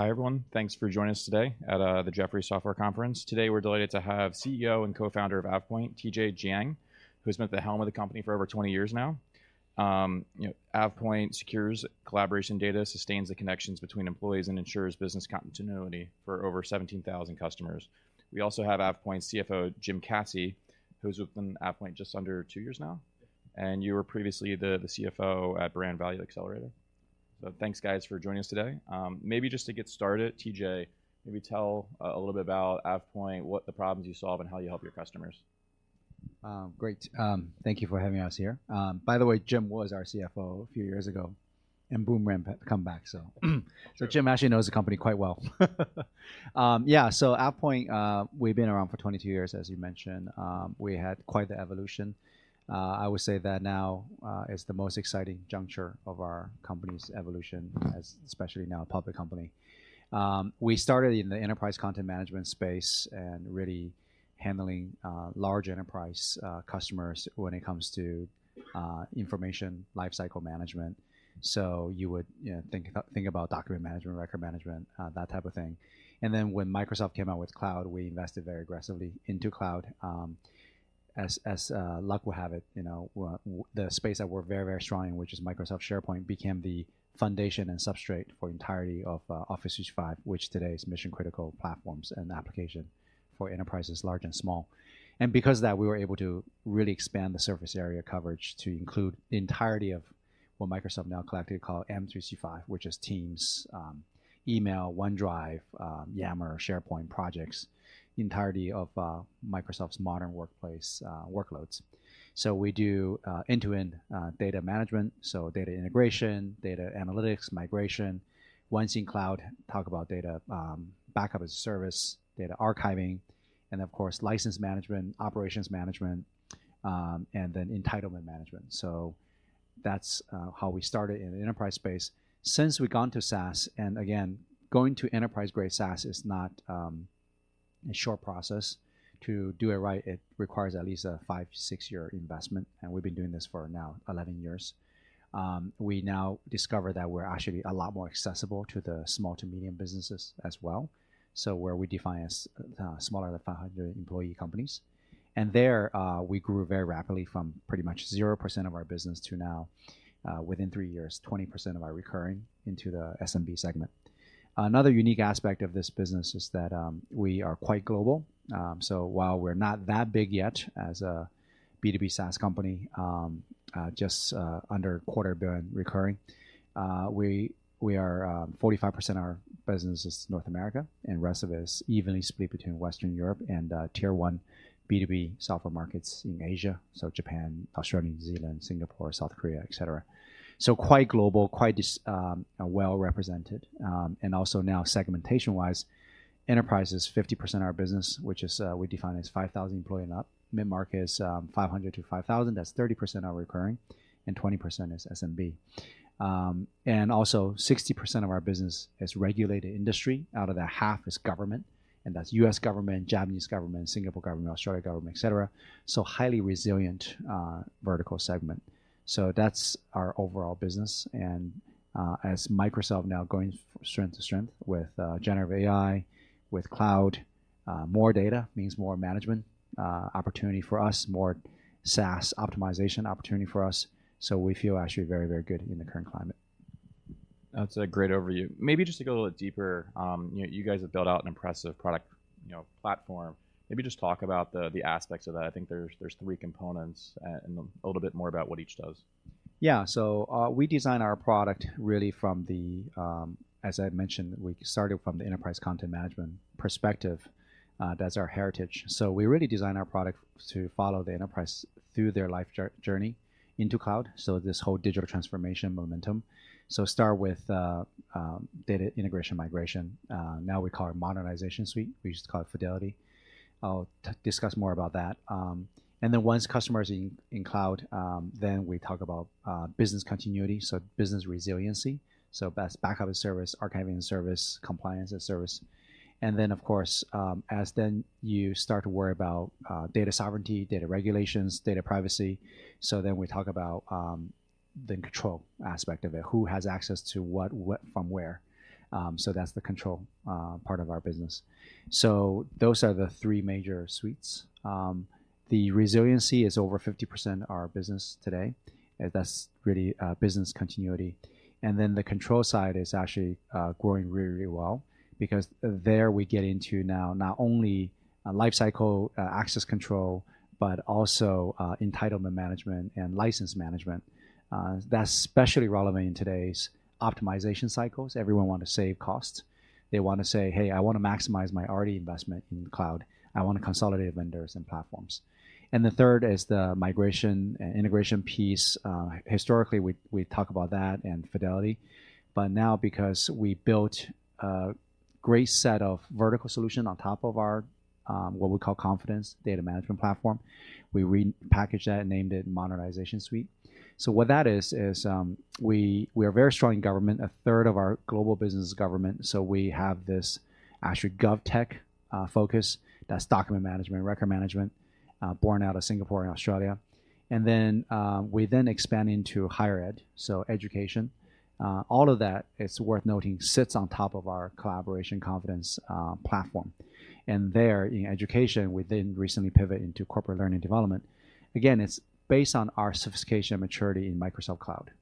Hi, everyone. Thanks for joining us today at the Jefferies Software Conference. Today, we're delighted to have CEO and co-founder of AvePoint, Tianyi Jiang, who's been at the helm of the company for over 20 years now. You know, AvePoint secures collaboration data, sustains the connections between employees, and ensures business continuity for over 17,000 customers. We also have AvePoint CFO, Jim Caci, who's with AvePoint just under two years now, and you were previously the CFO at Brand Value Accelerator. Thanks, guys, for joining us today. Maybe just to get started, TJ, maybe tell a little about AvePoint, what the problems you solve, and how you help your customers. Great. Thank you for having us here. By the way, Jim was our CFO a few years ago. Boom, ramp, come back. Jim actually knows the company quite well. Yeah, AvePoint, we've been around for 22 years, as you mentioned. We had quite the evolution. I would say that now is the most exciting juncture of our company's evolution, as especially now a public company. We started in the enterprise content management space and really handling large enterprise customers when it comes to information lifecycle management. You would, you know, think about document management, record management, that type of thing. Then when Microsoft came out with cloud, we invested very aggressively into cloud. As luck would have it, you know, the space that we're very, very strong, which is Microsoft SharePoint, became the foundation and substrate for entirety of Office 365, which today is mission-critical platforms and application for enterprises large and small. Because of that, we were able to really expand the surface area coverage to include the entirety of what Microsoft now collectively call M365, which is Teams, email, OneDrive, Yammer, SharePoint projects, entirety of Microsoft's modern workplace workloads. We do end-to-end data management, so data integration, data analytics, migration. Once in cloud, talk about data backup as a service, data archiving, and of course, license management, operations management, and then entitlement management. That's how we started in the enterprise space. Since we've gone to SaaS, again, going to enterprise-grade SaaS is not a short process. To do it right, it requires at least a five to six year investment, and we've been doing this for now 11 years. We now discover that we're actually a lot more accessible to the small to medium businesses as well. Where we define as smaller than 500 employee companies. There, we grew very rapidly from pretty much 0% of our business to now, within three years, 20% of our recurring into the SMB segment. Another unique aspect of this business is that we are quite global. While we're not that big yet as a B2B SaaS company, just under a quarter billion recurring, we are 45% of our business is North America, and rest of it is evenly split between Western Europe and Tier One B2B software markets in Asia, so Japan, Australia, New Zealand, Singapore, South Korea, etc. Quite global, quite well represented. Now segmentation-wise, enterprise is 50% of our business, which is we define as 5,000 employee and up. Mid-market is 500-5,000, that's 30% of recurring, and 20% is SMB. 60% of our business is regulated industry. Out of that, half is government, and that's U.S. government, Japanese government, Singapore government, Australia government, etc. Highly resilient vertical segment. That's our overall business, and, as Microsoft now going strength to strength with generative AI, with cloud, more data means more management, opportunity for us, more SaaS optimization opportunity for us. We feel actually very, very good in the current climate. That's a great overview. Maybe just to go a little deeper, you know, you guys have built out an impressive product, you know, platform. Maybe just talk about the aspects of that. I think there's three components and a little bit more about what each does. Yeah. We design our product really from the, as I mentioned, we started from the enterprise content management perspective. That's our heritage. We really design our product to follow the enterprise through their life journey into cloud, this whole digital transformation momentum. Start with data integration migration. Now we call it Modernization Suite. We used to call it Fidelity. I'll discuss more about that. Once customers are in cloud, then we talk about business continuity, business resiliency. That's backup as service, archiving as service, compliance as service. Of course, as then you start to worry about data sovereignty, data regulations, data privacy. Then we talk about the control aspect of it. Who has access to what from where? That's the control part of our business. Those are the three major suites. The resiliency is over 50% of our business today, and that's really business continuity. Then the control side is actually growing really, really well because there we get into now, not only lifecycle access control, but also entitlement management and license management. That's especially relevant in today's optimization cycles. Everyone want to save costs. They want to say, "Hey, I want to maximize my already investment in cloud. I want to consolidate vendors and platforms." The third is the migration and integration piece. Historically, we talk about that and fidelity, but now, because we built a great set of vertical solution on top of our what we call Confidence Data Management Platform, we repackaged that and named it Modernization Suite. What that is we are very strong in government, a third of our global business is government, so we have this actual GovTech focus. That's document management, record management, born out of Singapore and Australia. We then expand into higher ed, so education, all of that, it's worth noting, sits on top of our collaboration Confidence Platform. There, in education, we then recently pivot into corporate learning development. Again, it's based on our sophistication and maturity in Microsoft Cloud.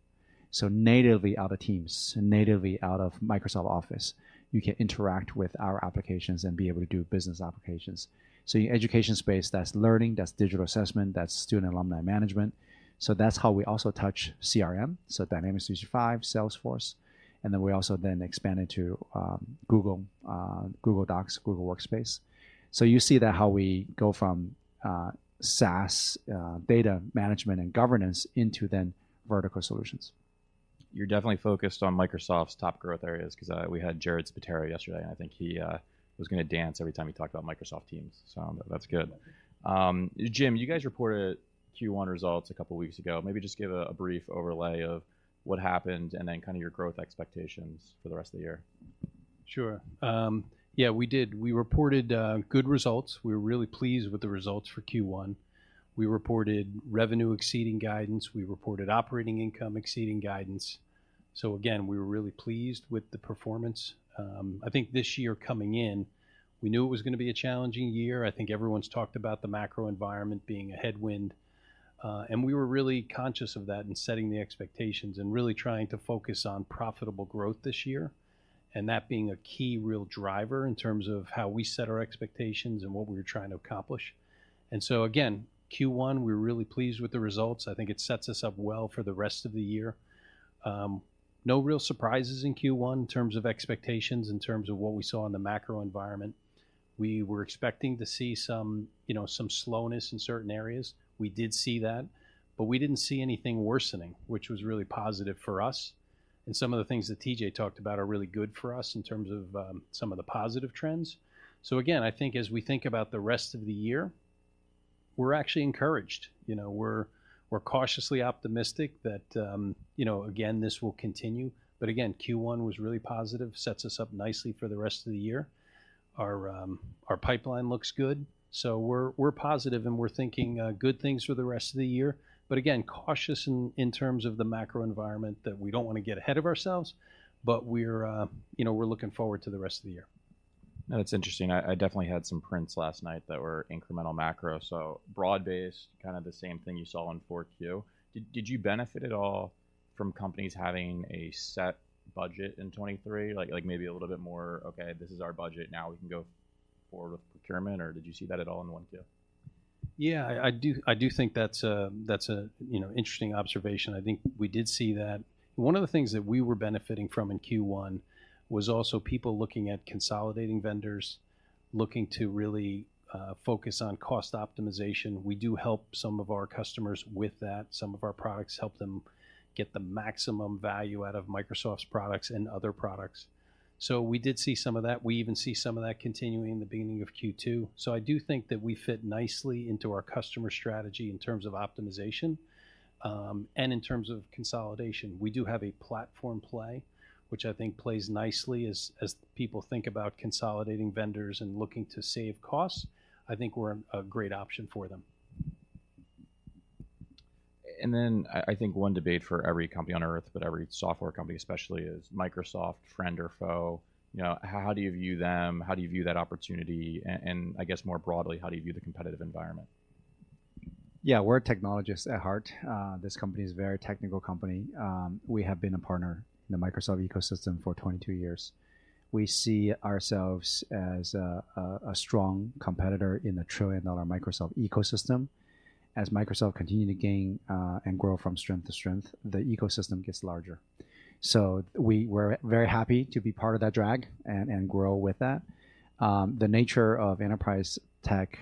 Natively out of Teams, natively out of Microsoft Office, you can interact with our applications and be able to do business applications. In education space, that's learning, that's digital assessment, that's student alumni management. That's how we also touch CRM, so Dynamics 365, Salesforce, and then we also then expand it to Google Docs, Google Workspace. You see that how we go from SaaS, data management and governance into then vertical solutions. You're definitely focused on Microsoft's top growth areas, 'cause we had Jared Spataro yesterday. I think he was gonna dance every time he talked about Microsoft Teams. That's good. Jim, you guys reported Q1 results a couple of weeks ago. Maybe just give a brief overlay of what happened and then kind of your growth expectations for the rest of the year. Sure. Yeah, we did. We reported good results. We were really pleased with the results for Q1. We reported revenue exceeding guidance, we reported operating income exceeding guidance. Again, we were really pleased with the performance. I think this year coming in, we knew it was gonna be a challenging year. I think everyone's talked about the macro environment being a headwind, and we were really conscious of that in setting the expectations, and really trying to focus on profitable growth this year, and that being a key real driver in terms of how we set our expectations and what we were trying to accomplish. Again, Q1, we're really pleased with the results. I think it sets us up well for the rest of the year. No real surprises in Q1 in terms of expectations, in terms of what we saw in the macro environment. We were expecting to see some, you know, some slowness in certain areas. We did see that, but we didn't see anything worsening, which was really positive for us, and some of the things that TJ talked about are really good for us in terms of some of the positive trends. Again, I think as we think about the rest of the year, we're actually encouraged. You know, we're cautiously optimistic that, you know, again, this will continue. Again, Q1 was really positive, sets us up nicely for the rest of the year. Our pipeline looks good, so we're positive and we're thinking good things for the rest of the year. Cautious in terms of the macro environment, that we don't wanna get ahead of ourselves, but we're, you know, we're looking forward to the rest of the year. That's interesting. I definitely had some prints last night that were incremental macro, so broad-based, kind of the same thing you saw in 4Q. Did you benefit at all from companies having a set budget in 2023? Like maybe a little bit more, "Okay, this is our budget, now we can go forward with procurement," or did you see that at all in 1Q? I do think that's a, you know, interesting observation. I think we did see that. One of the things that we were benefiting from in Q1 was also people looking at consolidating vendors, looking to really focus on cost optimization. We do help some of our customers with that. Some of our products help them get the maximum value out of Microsoft's products and other products. We did see some of that. We even see some of that continuing in the beginning of Q2. I do think that we fit nicely into our customer strategy in terms of optimization, and in terms of consolidation. We do have a platform play, which I think plays nicely as people think about consolidating vendors and looking to save costs. I think we're a great option for them. I think one debate for every company on Earth, but every software company especially, is Microsoft, friend or foe? You know, how do you view them? How do you view that opportunity? And I guess more broadly, how do you view the competitive environment? Yeah, we're technologists at heart. This company is a very technical company. We have been a partner in the Microsoft ecosystem for 22 years. We see ourselves as a strong competitor in the trillion-dollar Microsoft ecosystem. As Microsoft continue to gain, and grow from strength to strength, the ecosystem gets larger. We're very happy to be part of that drag and grow with that. The nature of enterprise tech,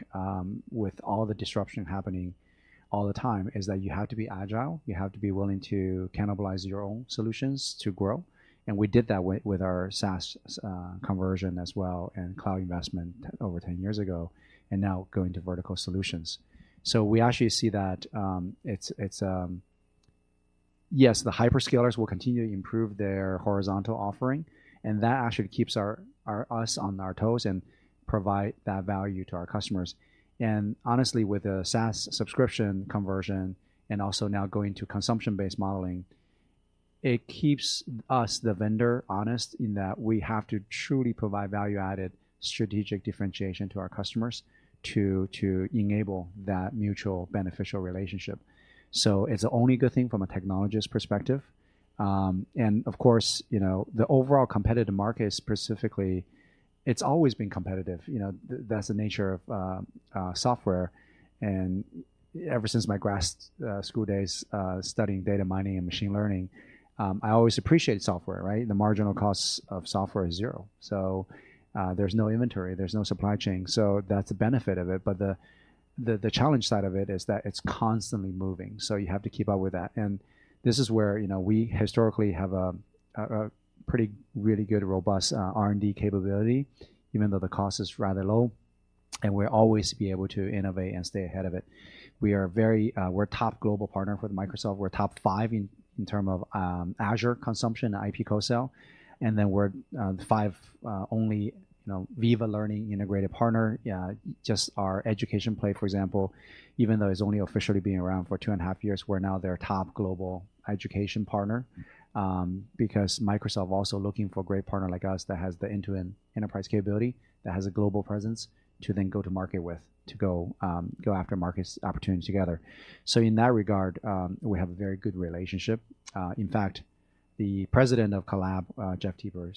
with all the disruption happening all the time, is that you have to be agile, you have to be willing to cannibalize your own solutions to grow, and we did that with our SaaS, conversion as well, and cloud investment over 10 years ago, and now going to vertical solutions. We actually see that, it's. Yes, the hyperscalers will continue to improve their horizontal offering, that actually keeps us on our toes and provide that value to our customers. Honestly, with the SaaS subscription conversion and also now going to consumption-based modeling, it keeps us, the vendor, honest, in that we have to truly provide value-added strategic differentiation to our customers to enable that mutual beneficial relationship. It's the only good thing from a technologist perspective. Of course, you know, the overall competitive market specifically, it's always been competitive. You know, that's the nature of software. Ever since my grad school days, studying data mining and machine learning, I always appreciate software, right? The marginal cost of software is 0, there's no inventory, there's no supply chain. That's the benefit of it, but the challenge side of it is that it's constantly moving, so you have to keep up with that. This is where, you know, we historically have a pretty really good, robust R&D capability, even though the cost is rather low. We'll always be able to innovate and stay ahead of it. We are very, we're top global partner with Microsoft. We're top five in term of Azure consumption, IP co-sell, and then we're five only, you know, Viva Learning integrated partner. Just our education play, for example, even though it's only officially been around for two and a half years, we're now their top global education partner. Because Microsoft also looking for a great partner like us that has the end-to-end enterprise capability, that has a global presence, to then go to market with, go after markets opportunities together. In that regard, we have a very good relationship. In fact, the president of Collab, Jeff Teper,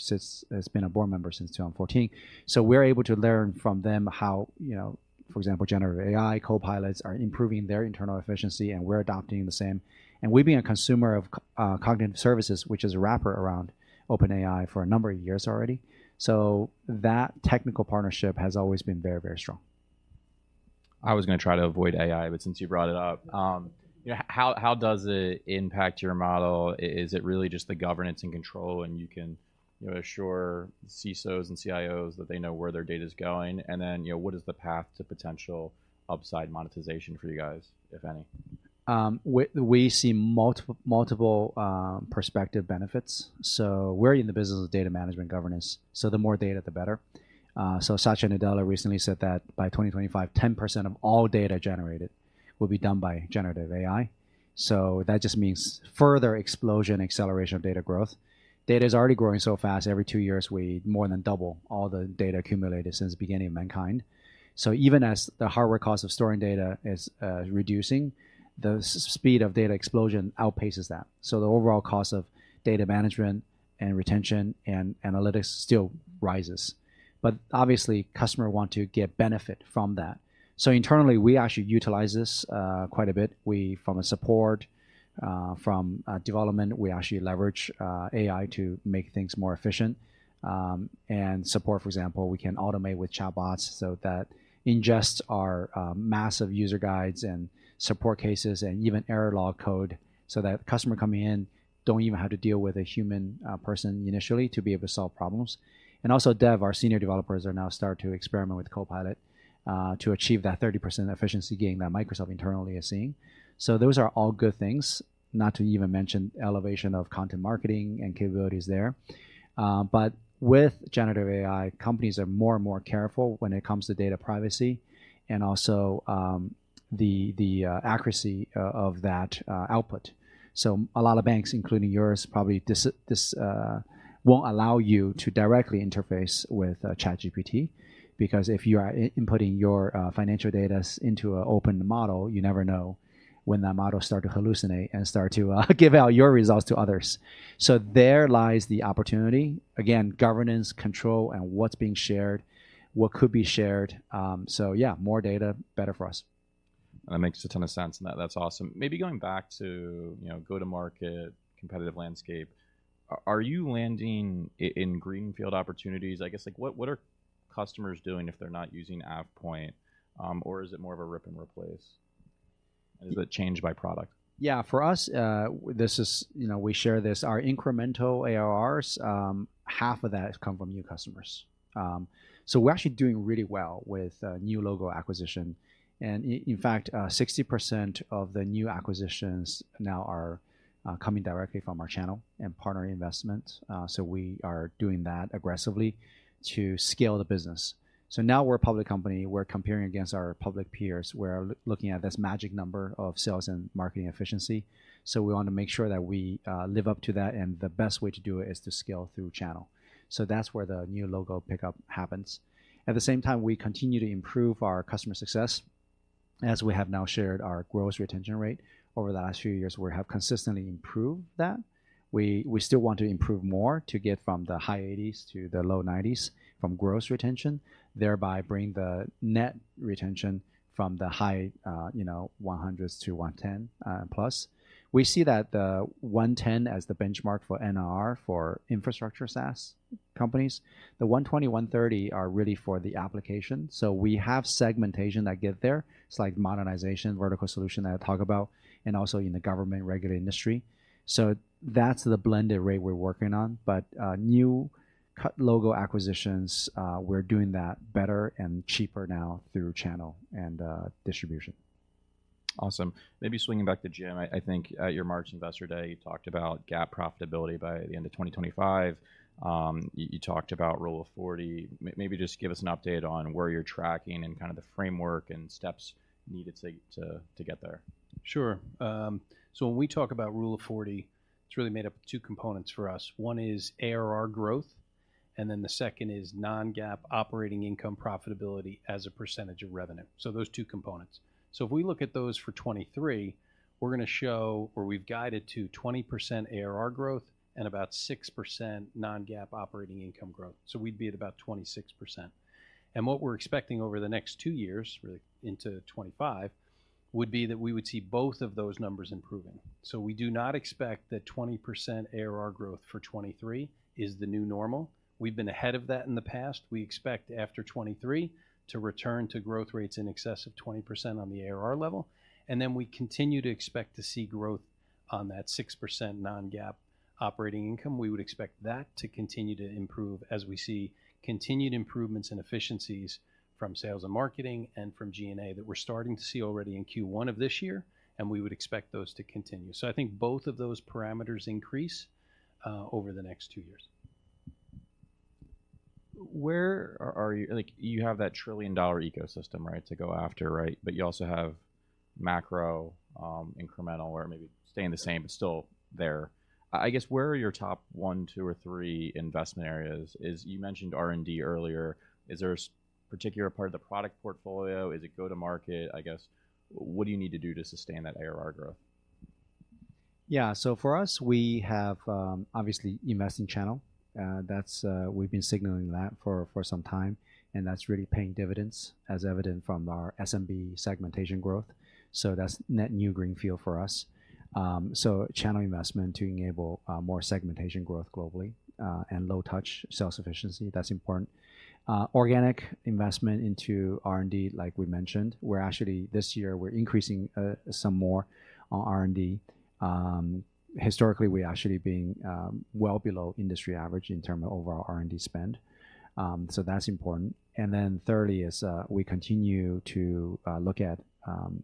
has been a board member since 2014. We're able to learn from them how, you know, for example, generative AI Copilots are improving their internal efficiency, and we're adopting the same. We've been a consumer of Cognitive Services, which is a wrapper around OpenAI, for a number of years already. That technical partnership has always been very, very strong. I was gonna try to avoid AI. Since you brought it up, you know, how does it impact your model? Is it really just the governance and control, and you can, you know, assure CISOs and CIOs that they know where their data's going? You know, what is the path to potential upside monetization for you guys, if any? We see multiple prospective benefits. We're in the business of data management governance, the more data, the better. Satya Nadella recently said that by 2025, 10% of all data generated will be done by generative AI. That just means further explosion, acceleration of data growth. Data is already growing so fast, every two years, we more than double all the data accumulated since the beginning of mankind. Even as the hardware cost of storing data is reducing, the speed of data explosion outpaces that. The overall cost of data management and retention, and analytics still rises. Obviously, customer want to get benefit from that. Internally, we actually utilize this quite a bit. We, from a support, from development, we actually leverage AI to make things more efficient. Support, for example, we can automate with chatbots so that ingests our massive user guides and support cases, and even error log code, so that customer coming in don't even have to deal with a human person initially, to be able to solve problems. Also, Dev, our senior developers, are now start to experiment with Copilot to achieve that 30% efficiency gain that Microsoft internally is seeing. Those are all good things, not to even mention elevation of content marketing and capabilities there. With generative AI, companies are more and more careful when it comes to data privacy and also, the accuracy of that output. A lot of banks, including yours, probably, this won't allow you to directly interface with ChatGPT, because if you are inputting your financial data into an open model, you never know when that model starts to hallucinate and starts to give out your results to others. There lies the opportunity. Again, governance, control, and what's being shared, what could be shared. Yeah, more data, better for us. That makes a ton of sense. That's awesome. Maybe going back to, you know, go-to-market, competitive landscape. Are you landing in greenfield opportunities? I guess, like, what are customers doing if they're not using AvePoint? Is it more of a rip and replace? Does it change by product? Yeah. For us, You know, we share this. Our incremental ARRs, half of that come from new customers. We're actually doing really well with new logo acquisition. In fact, 60% of the new acquisitions now are coming directly from our channel and partner investments. We are doing that aggressively to scale the business. Now we're a public company, we're looking at this magic number of sales and marketing efficiency, so we want to make sure that we live up to that, and the best way to do it is to scale through channel. That's where the new logo pickup happens. At the same time, we continue to improve our customer success, as we have now shared our gross retention rate. Over the last few years, we have consistently improved that. We still want to improve more to get from the high 80s to the low 90s from gross retention, thereby bringing the net retention from the high, you know, 100s-110+. We see that 110 as the benchmark for NRR, for infrastructure SaaS companies. The 120, 130 are really for the application. We have segmentation that get there. It's like modernization, vertical solution that I talk about, and also in the government regulated industry. That's the blended rate we're working on. New cut logo acquisitions, we're doing that better and cheaper now through channel and distribution. Awesome. Maybe swinging back to Jim. I think at your March Investor Day, you talked about GAAP profitability by the end of 2025. You talked about Rule of 40. Maybe just give us an update on where you're tracking and kind of the framework and steps needed to get there. Sure. When we talk about Rule of 40, it's really made up of two components for us. One is ARR growth, the second is non-GAAP operating income profitability as a percentage of revenue. Those two components. If we look at those for 2023, we're gonna show, or we've guided to 20% ARR growth and about 6% non-GAAP operating income growth, we'd be at about 26%. What we're expecting over the next two years, really into 2025, would be that we would see both of those numbers improving. We do not expect that 20% ARR growth for 2023 is the new normal. We've been ahead of that in the past. We expect after 2023 to return to growth rates in excess of 20% on the ARR level. We continue to expect to see growth on that 6% non-GAAP operating income. We would expect that to continue to improve as we see continued improvements in efficiencies from sales and marketing and from G&A that we're starting to see already in Q1 of this year, and we would expect those to continue. I think both of those parameters increase, over the next two years. Where are you? Like, you have that trillion-dollar ecosystem, right, to go after, right? You also have macro, incremental, or maybe staying the same, but still there. I guess, where are your top one, two, or three investment areas? You mentioned R&D earlier. Is there a particular part of the product portfolio? Is it go-to-market? I guess, what do you need to do to sustain that ARR growth? Yeah. For us, we have, obviously, investing channel, that's, we've been signaling that for some time, and that's really paying dividends, as evident from our SMB segmentation growth. That's net new greenfield for us. Channel investment to enable more segmentation growth globally, and low touch sales efficiency, that's important. Organic investment into R&D, like we mentioned, this year, we're increasing some more on R&D. Historically, we're actually being well below industry average in terms of overall R&D spend. That's important. Then thirdly is, we continue to look at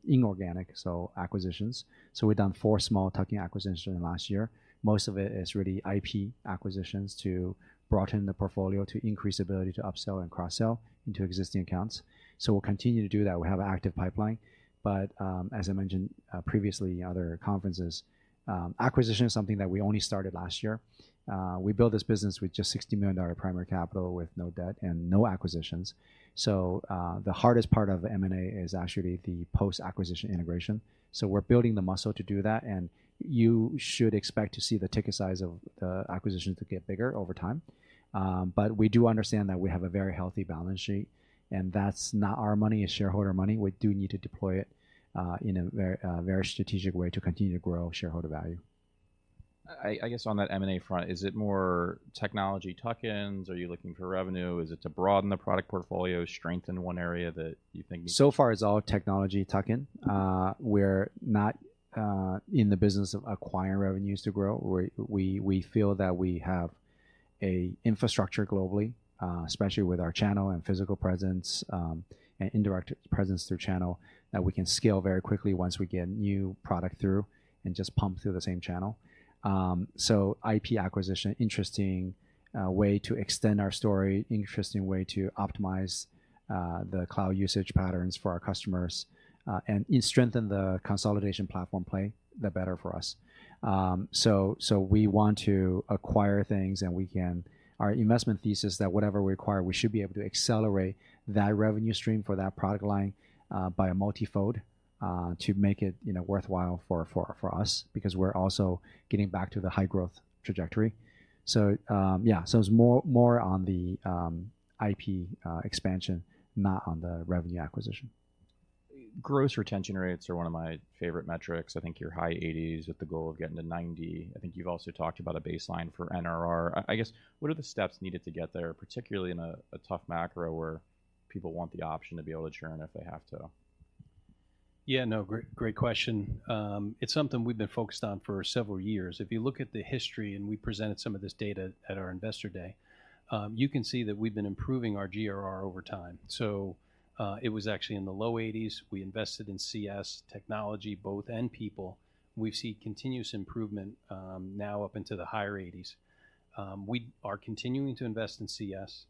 inorganic, so acquisitions. We've done four small tuck-in acquisitions during last year. Most of it is really IP acquisitions to broaden the portfolio, to increase ability to upsell and cross-sell into existing accounts. We'll continue to do that. We have active pipeline, as I mentioned, previously in other conferences, acquisition is something that we only started last year. We built this business with just $60 million primary capital, with no debt and no acquisitions. The hardest part of M&A is actually the post-acquisition integration. We're building the muscle to do that, and you should expect to see the ticket size of the acquisitions to get bigger over time. We do understand that we have a very healthy balance sheet, and that's not our money, it's shareholder money. We do need to deploy it, in a very, very strategic way to continue to grow shareholder value. I guess on that M&A front, is it more technology tuck-ins? Are you looking for revenue? Is it to broaden the product portfolio, strengthen one area that you think? So far, it's all technology tuck-in. We're not in the business of acquiring revenues to grow. We feel that we have a infrastructure globally, especially with our channel and physical presence, and indirect presence through channel, that we can scale very quickly once we get new product through and just pump through the same channel. IP acquisition, interesting way to extend our story, interesting way to optimize the cloud usage patterns for our customers, and strengthen the consolidation platform play, the better for us. We want to acquire things. Our investment thesis that whatever we acquire, we should be able to accelerate that revenue stream for that product line by a multifold to make it, you know, worthwhile for us, because we're also getting back to the high growth trajectory. Yeah, so it's more on the IP expansion, not on the revenue acquisition. Gross retention rates are one of my favorite metrics. I think you're high 80s with the goal of getting to 90. I think you've also talked about a baseline for NRR. I guess, what are the steps needed to get there, particularly in a tough macro where people want the option to be able to churn if they have to? Yeah. No, great question. It's something we've been focused on for several years. If you look at the history, and we presented some of this data at our Investor Day, you can see that we've been improving our GRR over time. It was actually in the low 80s. We invested in CS technology, both, and people. We've seen continuous improvement, now up into the higher 80s. We are continuing to invest in CS,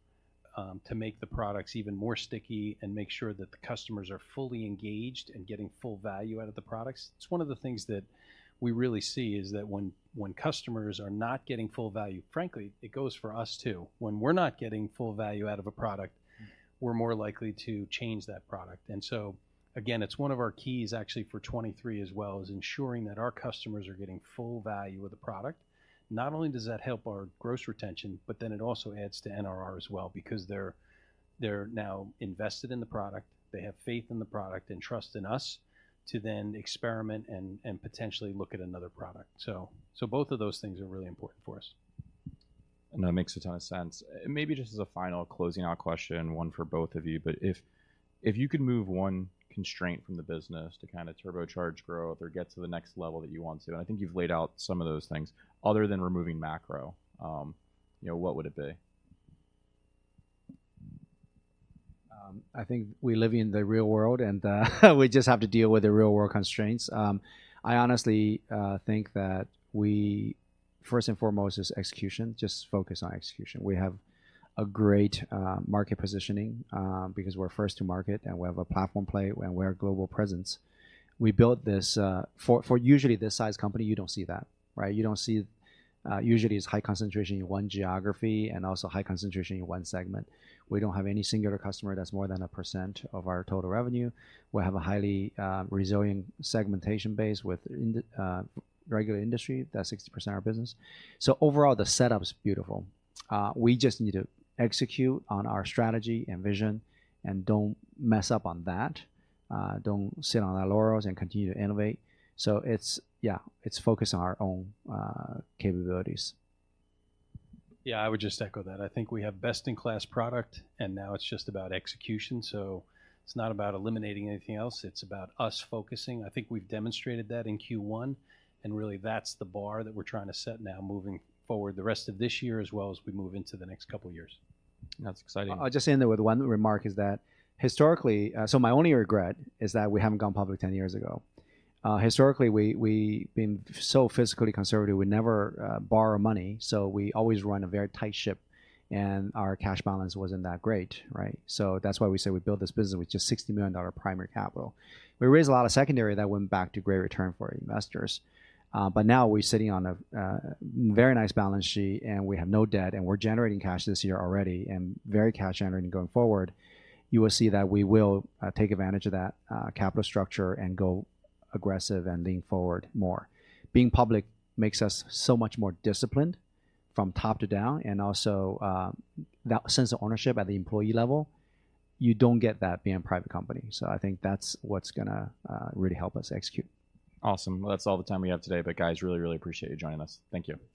to make the products even more sticky and make sure that the customers are fully engaged and getting full value out of the products. It's one of the things that we really see, is that when customers are not getting full value, frankly, it goes for us, too. When we're not getting full value out of a product, we're more likely to change that product. Again, it's one of our keys actually for 23 as well, is ensuring that our customers are getting full value of the product. Not only does that help our gross retention, it also adds to NRR as well, because they're now invested in the product, they have faith in the product and trust in us to then experiment and potentially look at another product. Both of those things are really important for us. That makes a ton of sense. Maybe just as a final closing out question, one for both of you, but if you could move one constraint from the business to kind of turbocharge growth or get to the next level that you want to, and I think you've laid out some of those things, other than removing macro, you know, what would it be? I think we live in the real world, and we just have to deal with the real-world constraints. I honestly think First and foremost, is execution. Just focus on execution. We have a great market positioning because we're first to market, and we have a platform play, and we're a global presence. We built this for usually this size company, you don't see that, right? You don't see usually, it's high concentration in one geography and also high concentration in one segment. We don't have any singular customer that's more than 1% of our total revenue. We have a highly resilient segmentation base with regular industry. That's 60% of our business. Overall, the setup is beautiful. We just need to execute on our strategy and vision and don't mess up on that. Don't sit on our laurels and continue to innovate. Yeah, it's focused on our own capabilities. Yeah, I would just echo that. I think we have best-in-class product, and now it's just about execution. It's not about eliminating anything else, it's about us focusing. I think we've demonstrated that in Q1, and really, that's the bar that we're trying to set now moving forward the rest of this year, as well as we move into the next couple of years. That's exciting. I'll just end there with one remark, is that historically, my only regret is that we haven't gone public 10 years ago. Historically, we've been so fiscally conservative, we never borrow money, we always run a very tight ship, and our cash balance wasn't that great, right? That's why we say we built this business with just $60 million primary capital. We raised a lot of secondary that went back to great return for our investors. Now we're sitting on a very nice balance sheet, and we have no debt, and we're generating cash this year already, and very cash generating going forward. You will see that we will take advantage of that capital structure and go aggressive and lean forward more. Being public makes us so much more disciplined from top to down. That sense of ownership at the employee level, you don't get that being a private company. I think that's what's gonna really help us execute. Awesome. Well, that's all the time we have today but, guys, really, really appreciate you joining us. Thank you. Thank you.